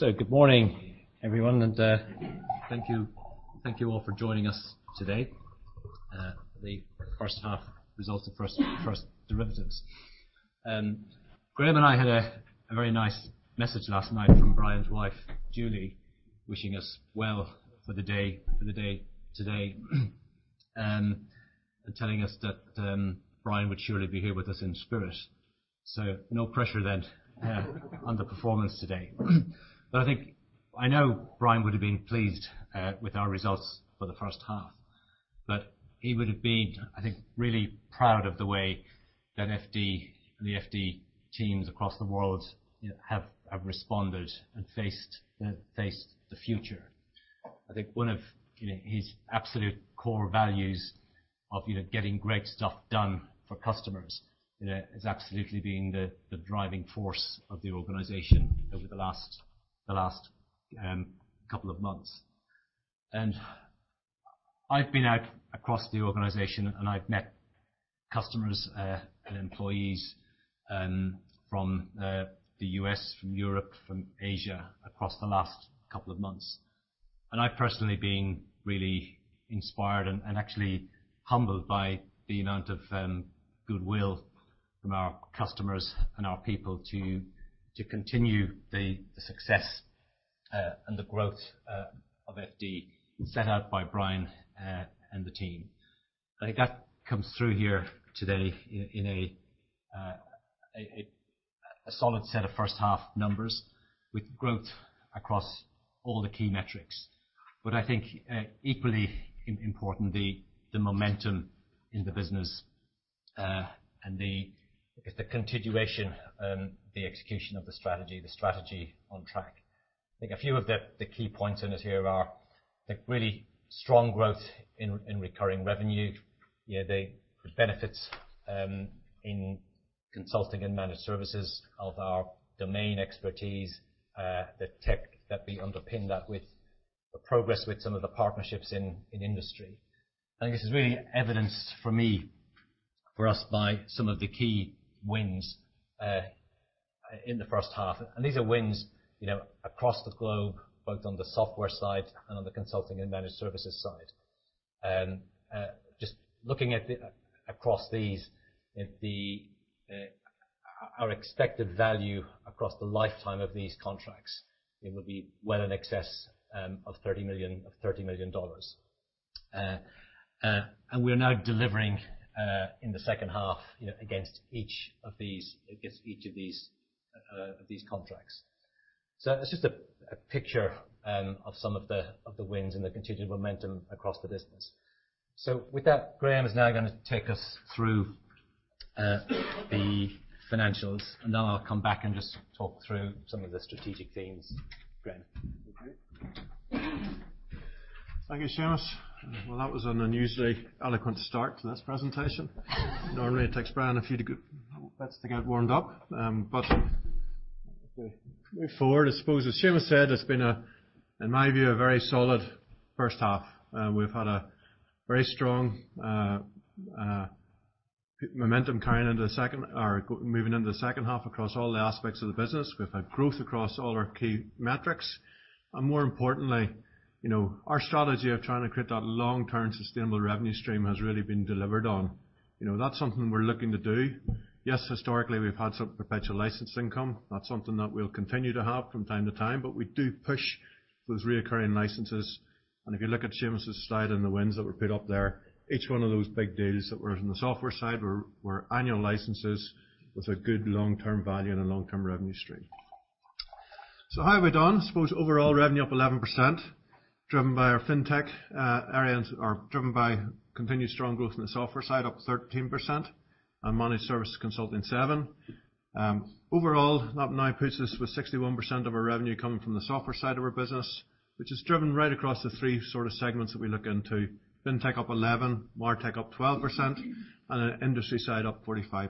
Good morning, everyone, and thank you all for joining us today. The first half results, the First Derivatives. Graham and I had a very nice message last night from Brian's wife, Julie, wishing us well for the day today, and telling us that Brian would surely be here with us in spirit. No pressure then on the performance today. I know Brian would've been pleased with our results for the first half, but he would've been, I think, really proud of the way that FD and the FD teams across the world have responded and faced the future. I think one of his absolute core values of getting great stuff done for customers has absolutely been the driving force of the organization over the last couple of months. I've been out across the organization, I've met customers and employees from the U.S., from Europe, from Asia across the last couple of months, and I've personally been really inspired and actually humbled by the amount of goodwill from our customers and our people to continue the success and the growth of FD set out by Brian and the team. I think that comes through here today in a solid set of first-half numbers with growth across all the key metrics. I think equally important, the momentum in the business, and the continuation, the execution of the strategy, the strategy on track. I think a few of the key points in it here are the really strong growth in recurring revenue. The benefits in consulting and managed services of our domain expertise, the tech that we underpin that with, the progress with some of the partnerships in industry. I think this is really evidenced for me, for us, by some of the key wins in the first half. These are wins across the globe, both on the software side and on the consulting and managed services side. Just looking at across these, our expected value across the lifetime of these contracts, it would be well in excess of $30 million. We're now delivering in the second half against each of these contracts. That's just a picture of some of the wins and the continued momentum across the business. With that, Graham is now going to take us through the financials, and then I'll come back and just talk through some of the strategic themes. Graham. Okay. Thank you, Seamus. Well, that was an unusually eloquent start to this presentation. Normally, it takes Brian a few good bets to get warmed up. Moving forward, I suppose as Seamus said, it's been, in my view, a very solid first half. We've had a very strong momentum moving into the second half across all the aspects of the business. We've had growth across all our key metrics. More importantly our strategy of trying to create that long-term sustainable revenue stream has really been delivered on. That's something we're looking to do. Yes, historically, we've had some perpetual license income. That's something that we'll continue to have from time to time, but we do push those reoccurring licenses. If you look at Seamus' slide and the wins that were put up there, each one of those big deals that were in the software side were annual licenses with a good long-term value and a long-term revenue stream. How have we done? I suppose overall revenue up 11%, driven by our fintech areas, or driven by continued strong growth in the software side up 13%, and managed service consulting 7%. Overall, that now puts us with 61% of our revenue coming from the software side of our business, which is driven right across the three sort of segments that we look into. fintech up 11%, MarTech up 12%, and our industry side up 45%.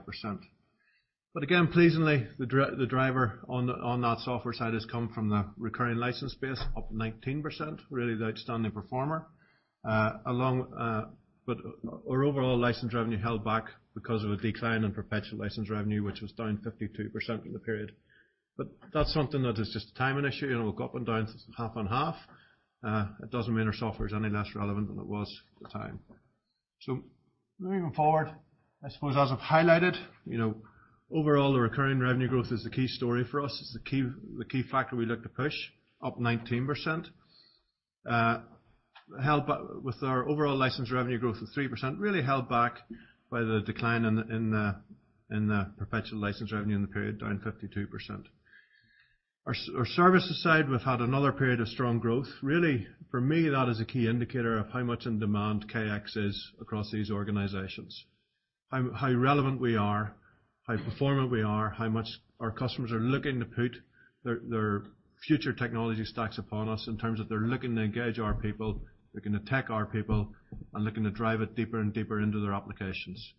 Again, pleasingly, the driver on that software side has come from the recurring license base up 19%, really the outstanding performer. Our overall license revenue held back because of a decline in perpetual license revenue, which was down 52% in the period. That's something that is just a timing issue. It'll go up and down. It's half and half. It doesn't mean our software is any less relevant than it was at the time. Moving forward, I suppose as I've highlighted, overall, the recurring revenue growth is the key story for us. It's the key factor we look to push, up 19%. With our overall licensed revenue growth of 3%, really held back by the decline in the perpetual license revenue in the period, down 52%. Our services side, we've had another period of strong growth. Really, for me, that is a key indicator of how much in demand Kx is across these organizations. How relevant we are, how performant we are, how much our customers are looking to put their future technology stacks upon us in terms of they're looking to engage our people, they're looking to tech our people, and looking to drive it deeper and deeper into their applications.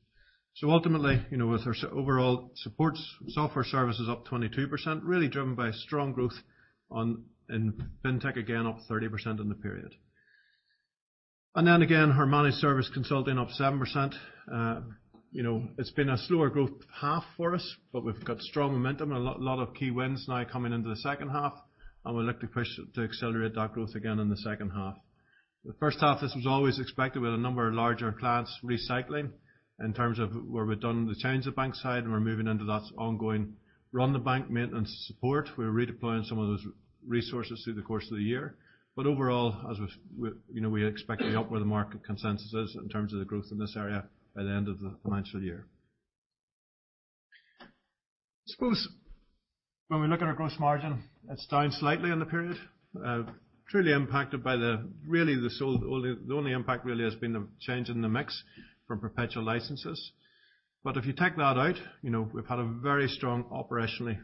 Ultimately, with our overall support software services up 22%, really driven by strong growth in fintech, again, up 30% in the period. Again, our managed service consulting up 7%. It's been a slower growth half for us, but we've got strong momentum and a lot of key wins now coming into the second half, and we look to push to accelerate that growth again in the second half. The first half, this was always expected with a number of larger clients recycling in terms of where we've done the change of bank side, and we're moving into that ongoing run the bank maintenance support. We're redeploying some of those resources through the course of the year. Overall, as we expect to be up where the market consensus is in terms of the growth in this area by the end of the financial year. I suppose when we look at our gross margin, it's down slightly in the period, truly impacted by the only impact has been the change in the mix from perpetual licenses. If you take that out, we've had a very strong operationally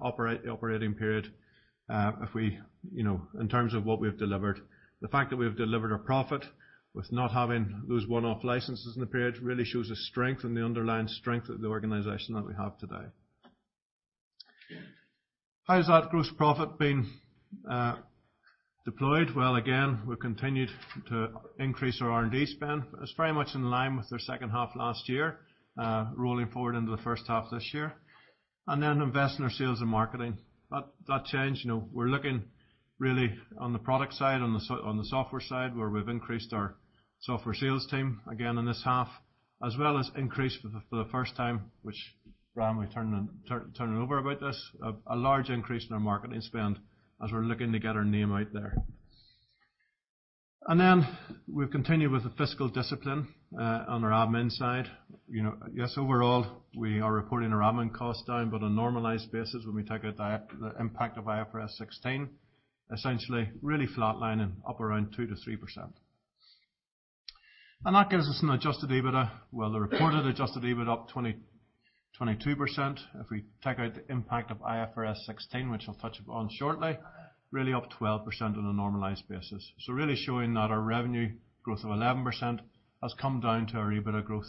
operating period in terms of what we've delivered. The fact that we've delivered a profit with not having those one-off licenses in the period really shows the strength and the underlying strength of the organization that we have today. How has that gross profit been deployed? Well, again, we've continued to increase our R&D spend. It's very much in line with our second half last year, rolling forward into the first half this year, and then invest in our sales and marketing. That changed. We're looking really on the product side, on the software side, where we've increased our software sales team again in this half, as well as increased for the first time, which Brian will turn over about this, a large increase in our marketing spend as we're looking to get our name out there. We've continued with the fiscal discipline on our admin side. Overall, we are reporting our admin costs down, but on a normalized basis, when we take out the impact of IFRS 16, essentially really flatlining up around 2%-3%. That gives us an adjusted EBITDA. Well, the reported adjusted EBITDA up 22%. If we take out the impact of IFRS 16, which I'll touch upon shortly, really up 12% on a normalized basis. Really showing that our revenue growth of 11% has come down to our EBITDA growth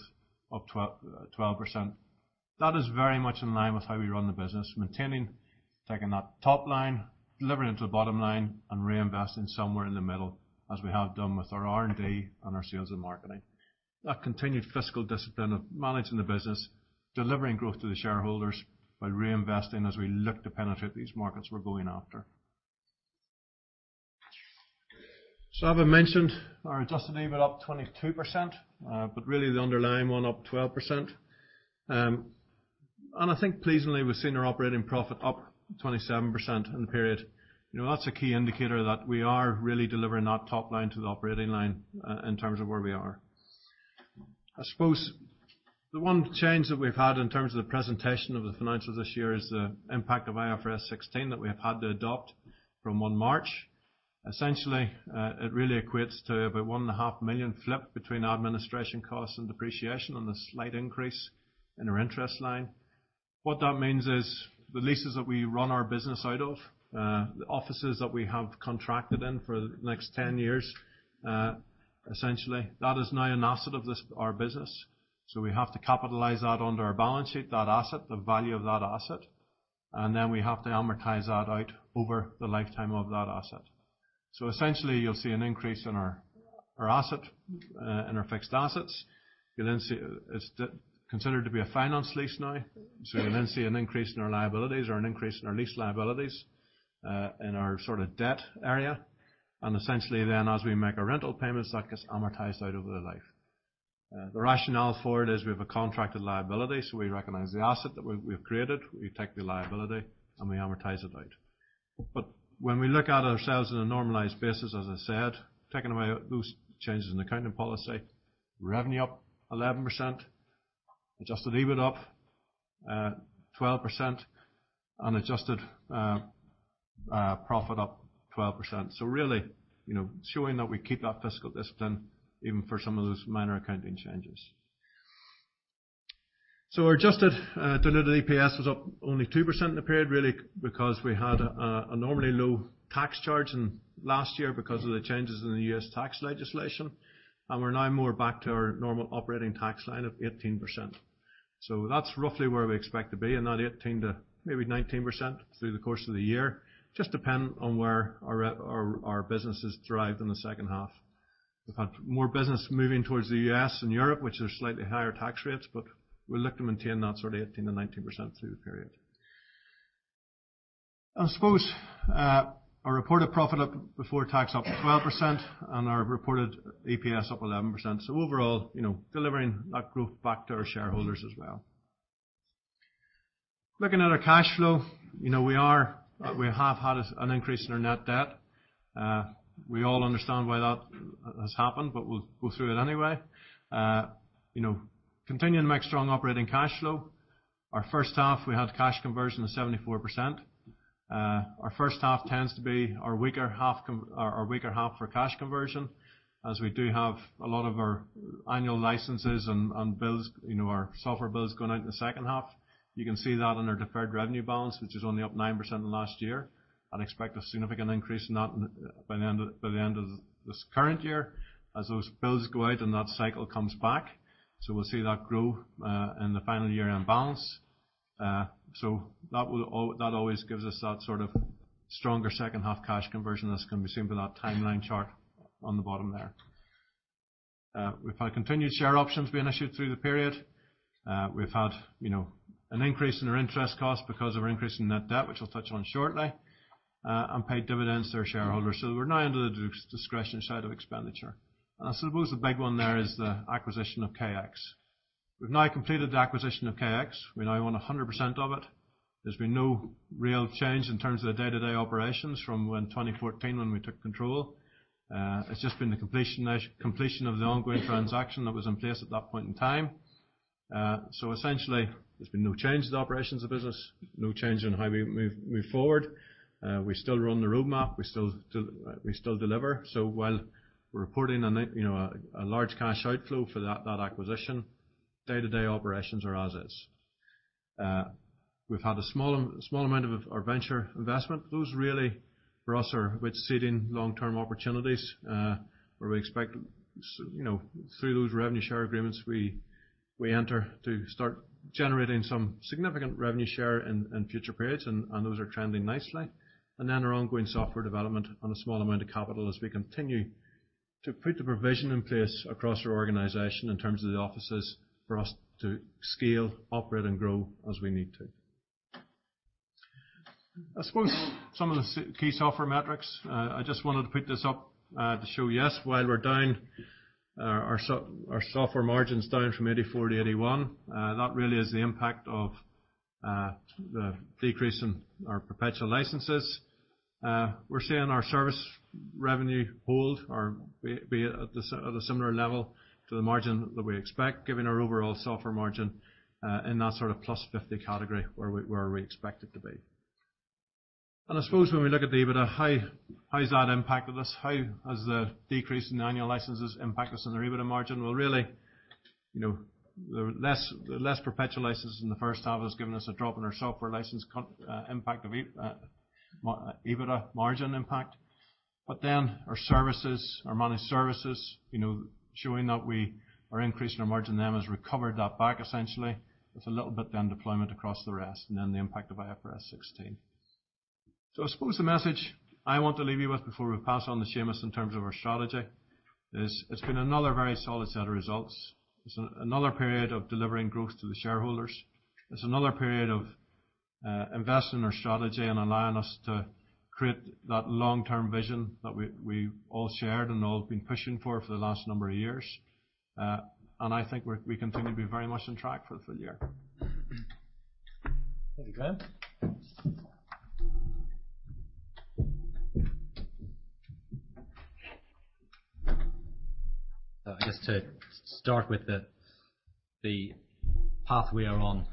of 12%. That is very much in line with how we run the business, maintaining, taking that top line, delivering it to the bottom line, and reinvesting somewhere in the middle, as we have done with our R&D and our sales and marketing. That continued fiscal discipline of managing the business, delivering growth to the shareholders by reinvesting as we look to penetrate these markets we're going after. As I mentioned, our adjusted EBITDA up 22%, but really the underlying one up 12%. I think pleasingly, we've seen our operating profit up 27% in the period. That's a key indicator that we are really delivering that top line to the operating line in terms of where we are. I suppose the one change that we've had in terms of the presentation of the financials this year is the impact of IFRS 16 that we have had to adopt from 1 March. Essentially, it really equates to about 1.5 million flip between our administration costs and depreciation on the slight increase in our interest line. What that means is the leases that we run our business out of, the offices that we have contracted in for the next 10 years, essentially, that is now an asset of our business. We have to capitalize that onto our balance sheet, that asset, the value of that asset, then we have to amortize that out over the lifetime of that asset. Essentially, you'll see an increase in our asset and our fixed assets. It's considered to be a finance lease now. You'll then see an increase in our liabilities or an increase in our lease liabilities in our sort of debt area. Essentially, as we make our rental payments, that gets amortized out over their life. The rationale for it is we have a contracted liability. We recognize the asset that we've created, we take the liability, and we amortize it out. When we look at ourselves in a normalized basis, as I said, taking away those changes in accounting policy, revenue up 11%, adjusted EBITDA up 12%, and adjusted profit up 12%. Really, showing that we keep that fiscal discipline even for some of those minor accounting changes. Our adjusted diluted EPS was up only 2% in the period, really because we had a normally low tax charge in last year because of the changes in the U.S. tax legislation, and we're now more back to our normal operating tax line of 18%. That's roughly where we expect to be in that 18% to maybe 19% through the course of the year. Just depend on where our business is derived in the second half. We've had more business moving towards the U.S. and Europe, which are slightly higher tax rates, but we look to maintain that sort of 18%-19% through the period. I suppose our reported profit up before tax up 12% and our reported EPS up 11%. Overall, delivering that growth back to our shareholders as well. Looking at our cash flow, we have had an increase in our net debt. We all understand why that has happened, but we'll go through it anyway. Continuing to make strong operating cash flow. Our first half, we had cash conversion of 74%. Our first half tends to be our weaker half for cash conversion, as we do have a lot of our annual licenses and bills, our software bills going out in the second half. You can see that in our deferred revenue balance, which is only up 9% in the last year. I'd expect a significant increase in that by the end of this current year as those bills go out and that cycle comes back. We'll see that grow in the final year end balance. That always gives us that stronger second half cash conversion. This can be seen by that timeline chart on the bottom there. We've had continued share options being issued through the period. We've had an increase in our interest cost because of our increase in net debt, which I'll touch on shortly, and paid dividends to our shareholders. We're now into the discretion side of expenditure. I suppose the big one there is the acquisition of KX. We've now completed the acquisition of KX. We now own 100% of it. There's been no real change in terms of the day-to-day operations from when 2014 when we took control. It's just been the completion of the ongoing transaction that was in place at that point in time. Essentially, there's been no change to the operations of the business, no change in how we move forward. We still run the roadmap. We still deliver. While we're reporting a large cash outflow for that acquisition, day-to-day operations are as is. We've had a small amount of our venture investment. Those really for us are with seeding long-term opportunities where we expect through those revenue share agreements we enter to start generating some significant revenue share in future periods. Those are trending nicely. Our ongoing software development on a small amount of capital as we continue to put the provision in place across our organization in terms of the offices for us to scale, operate, and grow as we need to. I suppose some of the key software metrics, I just wanted to put this up to show you, yes, while we're down, our software margin's down from 84%-81%. That really is the impact of the decrease in our perpetual licenses. We're seeing our service revenue hold or be at a similar level to the margin that we expect, giving our overall software margin in that sort of +50% category where we expect it to be. I suppose when we look at the EBITDA, how has that impacted us? How has the decrease in the annual licenses impacted us on our EBITDA margin? Well, really the less perpetual licenses in the first half has given us a drop in our software license impact of EBITDA margin impact. Our services, our managed services, showing that we are increasing our margin then has recovered that back essentially. It's a little bit then deployment across the rest, and then the impact of IFRS 16. I suppose the message I want to leave you with before we pass on to Seamus in terms of our strategy is it's been another very solid set of results. It's another period of delivering growth to the shareholders. It's another period of investing in our strategy and allowing us to create that long-term vision that we've all shared and all been pushing for the last number of years. I think we continue to be very much on track for the full year. Thank you, Graham. Just to start with the path we are on.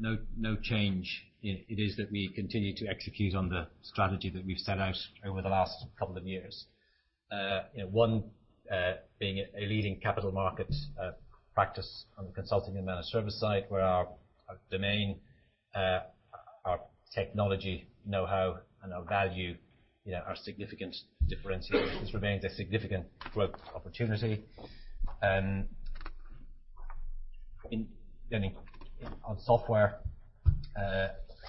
No change. It is that we continue to execute on the strategy that we've set out over the last couple of years. One being a leading capital markets practice on the consulting and managed service side, where our domain, our technology know-how, and our value are significant differentiators. This remains a significant growth opportunity. On software,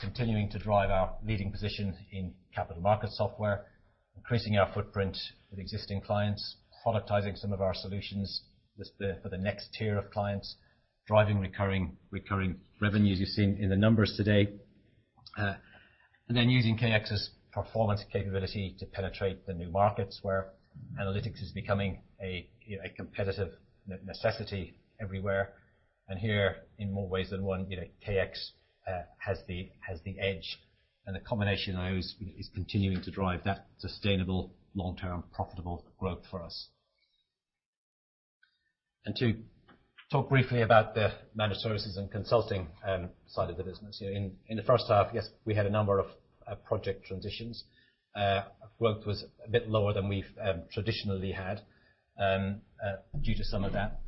continuing to drive our leading position in capital market software, increasing our footprint with existing clients, productizing some of our solutions for the next tier of clients, driving recurring revenues you're seeing in the numbers today. Using KX's performance capability to penetrate the new markets where analytics is becoming a competitive necessity everywhere. Here in more ways than one, KX has the edge, and the combination is continuing to drive that sustainable long-term profitable growth for us. To talk briefly about the managed services and consulting side of the business. In the first half, yes, we had a number of project transitions. Growth was a bit lower than we've traditionally had due to some of that.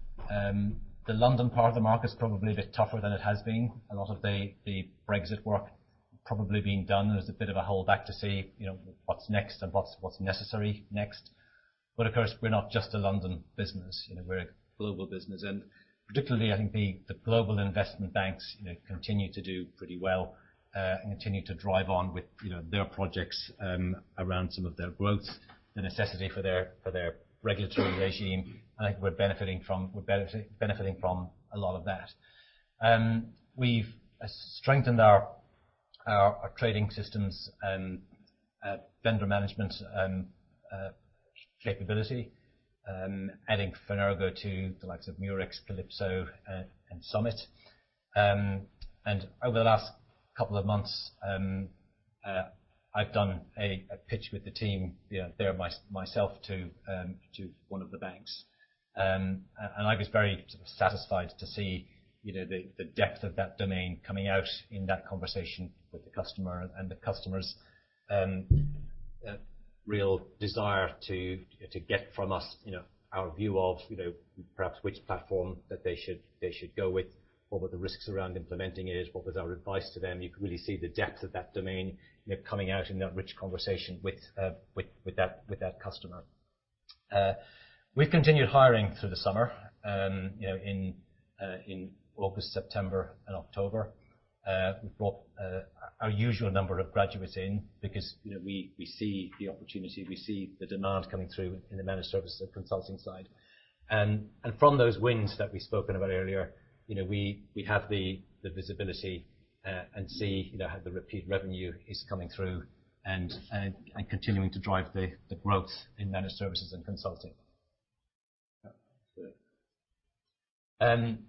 The London part of the market is probably a bit tougher than it has been. A lot of the Brexit work probably being done. There's a bit of a holdback to see what's next and what's necessary next. Of course, we're not just a London business, we're a global business. Particularly, I think the global investment banks continue to do pretty well and continue to drive on with their projects around some of their growth, the necessity for their regulatory regime. I think we're benefiting from a lot of that. We've strengthened our trading systems and vendor management capability, adding Finastra to the likes of Murex, Calypso, and Summit. Over the last couple of months, I've done a pitch with the team there myself to one of the banks. I was very satisfied to see the depth of that domain coming out in that conversation with the customer and the customer's real desire to get from us our view of perhaps which platform that they should go with, what were the risks around implementing it, what was our advice to them. You could really see the depth of that domain coming out in that rich conversation with that customer. We've continued hiring through the summer, in August, September, and October. We brought our usual number of graduates in because we see the opportunity, we see the demand coming through in the managed service and consulting side. From those wins that we've spoken about earlier, we have the visibility and see how the repeat revenue is coming through and continuing to drive the growth in managed services and consulting.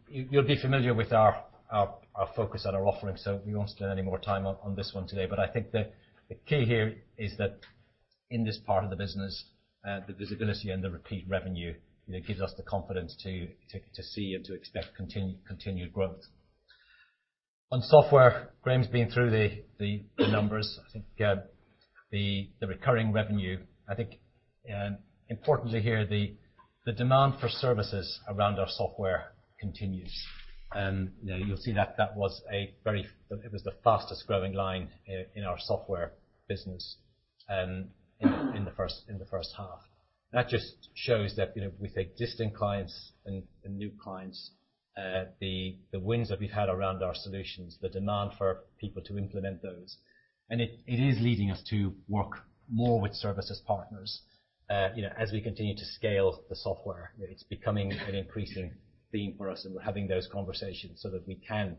You'll be familiar with our focus and our offering, so we won't spend any more time on this one today. I think the key here is that in this part of the business, the visibility and the repeat revenue gives us the confidence to see and to expect continued growth. On software, Graham's been through the numbers. I think the recurring revenue, I think importantly here, the demand for services around our software continues. You'll see that was the fastest growing line in our software business in the first half. That just shows that we take existing clients and new clients, the wins that we've had around our solutions, the demand for people to implement those. It is leading us to work more with services partners as we continue to scale the software. It's becoming an increasing theme for us, and we're having those conversations so that we can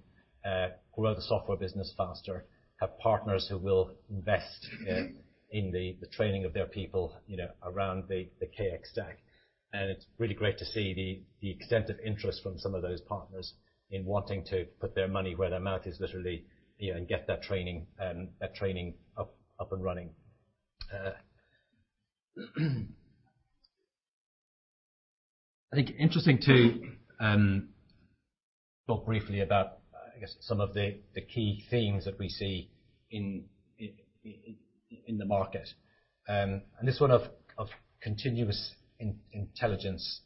grow the software business faster, have partners who will invest in the training of their people around the KX stack. It's really great to see the extent of interest from some of those partners in wanting to put their money where their mouth is literally, and get that training up and running. I think interesting to talk briefly about, I guess, some of the key themes that we see in the market. This one of continuous intelligence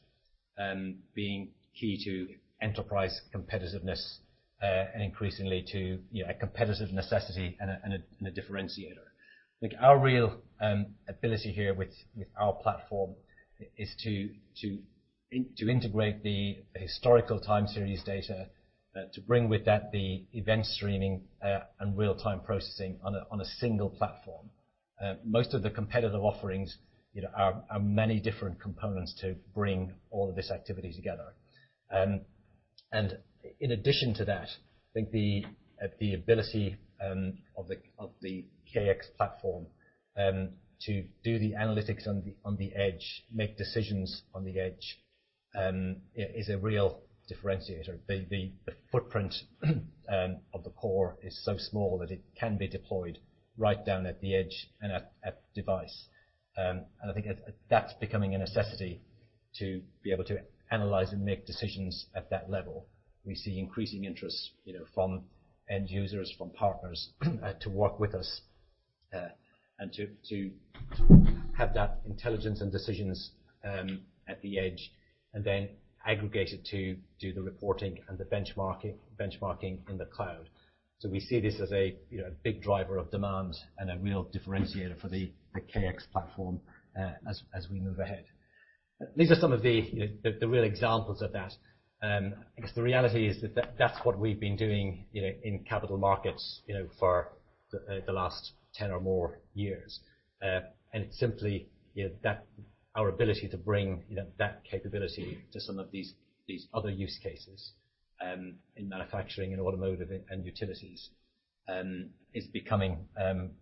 being key to enterprise competitiveness, and increasingly to a competitive necessity and a differentiator. I think our real ability here with our platform is to integrate the historical time series data, to bring with that the event streaming and real-time processing on a single platform. Most of the competitive offerings are many different components to bring all of this activity together. In addition to that, I think the ability of the KX platform to do the analytics on the edge, make decisions on the edge, is a real differentiator. The footprint of the core is so small that it can be deployed right down at the edge and at device. I think that's becoming a necessity to be able to analyze and make decisions at that level. We see increasing interest from end users, from partners to work with us, and to have that intelligence and decisions at the edge, and then aggregated to do the reporting and the benchmarking in the cloud. We see this as a big driver of demand and a real differentiator for the KX platform as we move ahead. These are some of the real examples of that. I guess the reality is that that's what we've been doing in capital markets for the last 10 or more years. It's simply our ability to bring that capability to some of these other use cases in manufacturing and automotive, and utilities, is becoming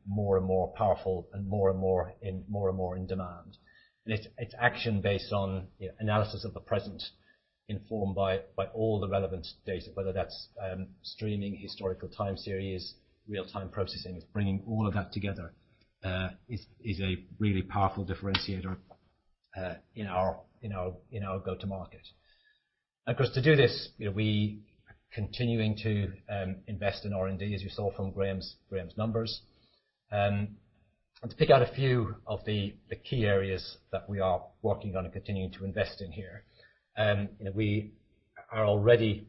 more and more powerful and more and more in demand. It's action based on analysis of the present, informed by all the relevant data, whether that's streaming historical time series, real-time processing. It's bringing all of that together is a really powerful differentiator in our go to market. To do this, we are continuing to invest in R&D, as you saw from Graham's numbers. To pick out a few of the key areas that we are working on and continuing to invest in here. We are already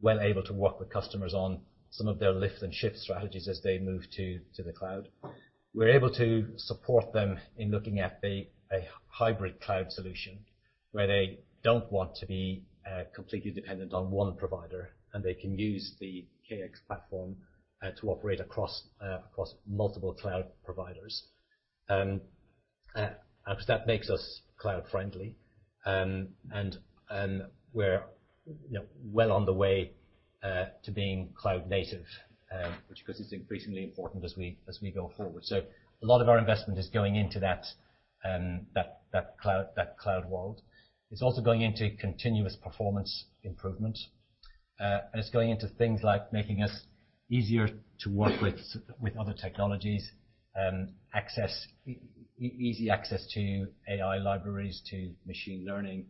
well able to work with customers on some of their lift and shift strategies as they move to the cloud. We're able to support them in looking at a hybrid cloud solution, where they don't want to be completely dependent on one provider, and they can use the KX platform to operate across multiple cloud providers. That makes us cloud-friendly, and we're well on the way to being cloud native, which of course, is increasingly important as we go forward. A lot of our investment is going into that cloud world. It's also going into continuous performance improvement. It's going into things like making us easier to work with other technologies, easy access to AI libraries, to machine learning,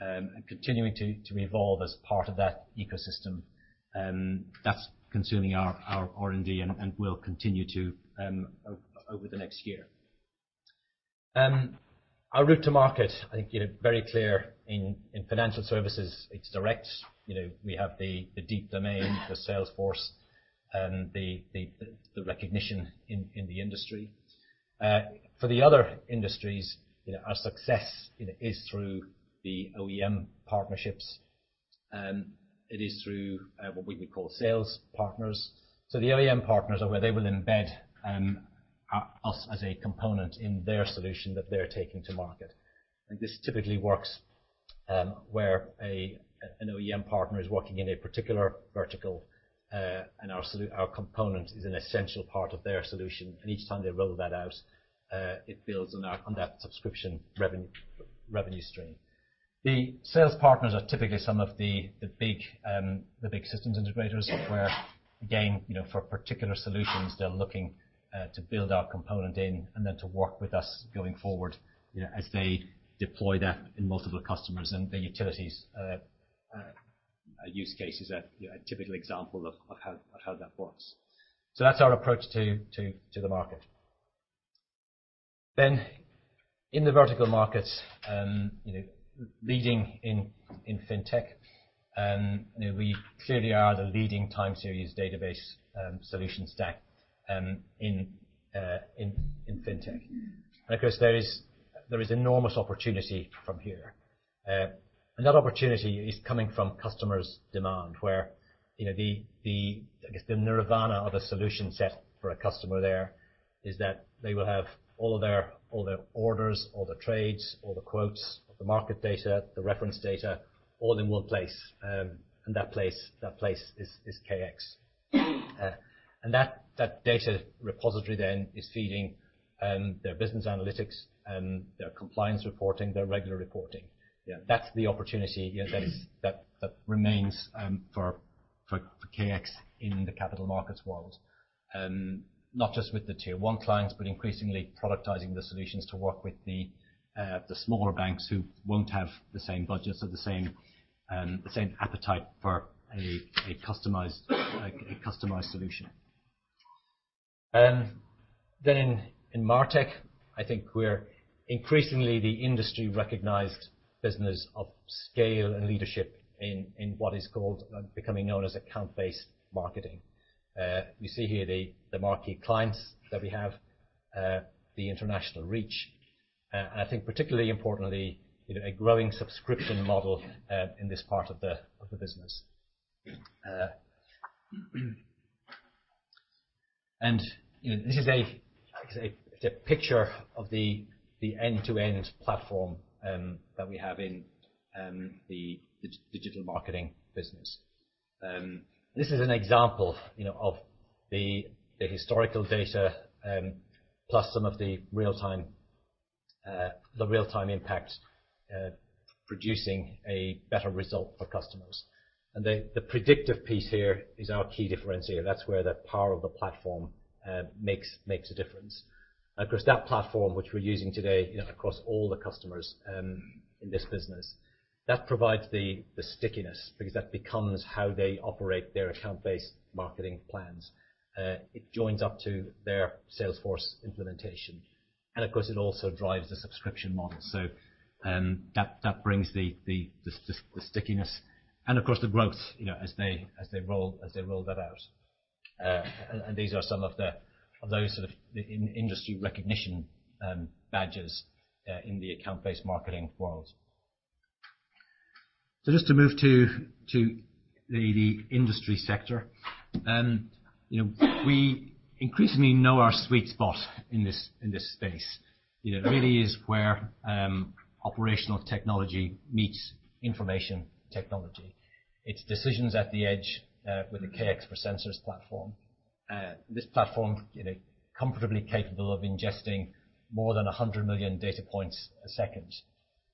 and continuing to evolve as part of that ecosystem. That's consuming our R&D, and will continue to over the next year. Our route to market, I think very clear in financial services, it's direct. We have the deep domain, the sales force and the recognition in the industry. For the other industries, our success is through the OEM partnerships. It is through what we would call sales partners. The OEM partners are where they will embed us as a component in their solution that they're taking to market. This typically works, where an OEM partner is working in a particular vertical, and our component is an essential part of their solution. Each time they roll that out, it builds on that subscription revenue stream. The sales partners are typically some of the big systems integrators where again, for particular solutions, they're looking to build our component in and then to work with us going forward as they deploy that in multiple customers, the utilities use case is a typical example of how that works. That's our approach to the market. In the vertical markets, leading in fintech, we clearly are the leading time series database solution stack in fintech. Of course, there is enormous opportunity from here. That opportunity is coming from customers' demand, where the nirvana of a solution set for a customer there is that they will have all their orders, all the trades, all the quotes, all the market data, the reference data, all in one place. That place is KX. That data repository then is feeding their business analytics, their compliance reporting, their regular reporting. That's the opportunity that remains for KX in the capital markets world. Not just with the tier 1 clients, but increasingly productizing the solutions to work with the smaller banks who won't have the same budgets or the same appetite for a customized solution. In MarTech, I think we're increasingly the industry recognized business of scale and leadership in what is becoming known as account-based marketing. You see here the marquee clients that we have, the international reach, and I think particularly importantly, a growing subscription model in this part of the business. This is a picture of the end-to-end platform that we have in the digital marketing business. This is an example of the historical data, plus some of the real-time impact producing a better result for customers. The predictive piece here is our key differentiator. That's where the power of the platform makes a difference. Of course, that platform, which we're using today across all the customers in this business, that provides the stickiness because that becomes how they operate their account-based marketing plans. It joins up to their Salesforce implementation. Of course, it also drives the subscription model. That brings the stickiness and of course, the growth as they roll that out. These are some of those sort of industry recognition badges in the account-based marketing world. Just to move to the industry sector. We increasingly know our sweet spot in this space. It really is where operational technology meets information technology. It's decisions at the edge with the Kx for Sensors platform. This platform comfortably capable of ingesting more than 100 million data points a second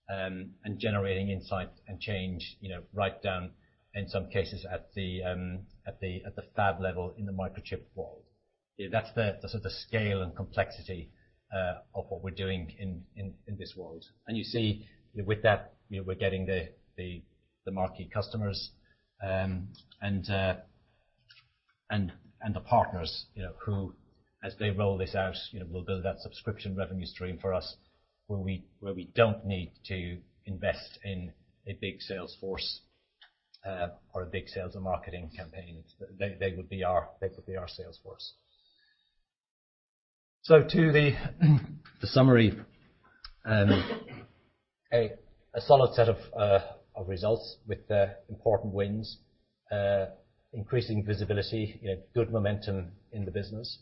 and generating insight and change right down in some cases at the fab level in the microchip world. That's the sort of scale and complexity of what we're doing in this world. You see with that, we're getting the marquee customers and the partners who as they roll this out, will build that subscription revenue stream for us where we don't need to invest in a big sales force or a big sales and marketing campaign. They would be our sales force. To the summary. A solid set of results with important wins, increasing visibility, good momentum in the business.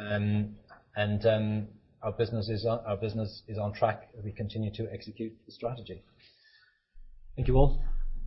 Our business is on track as we continue to execute the strategy. Thank you all.